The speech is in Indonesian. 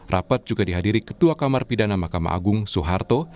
rapat juga dihadiri ketua kamar pidana mahkamah agung soeharto